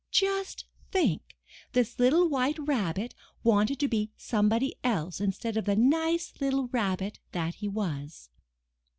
Just think, this little White Rabbit wanted to be somebody else instead of the nice little rabbit that he was.